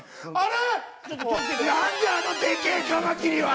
あのでけえカマキリは！